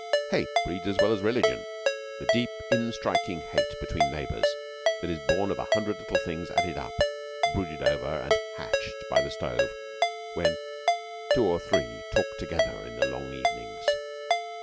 Hate breeds as well as religion the deep, instriking hate between neighbours, that is born of a hundred little things added up, brooded over, and hatched by the stove when two or three talk together in the long evenings.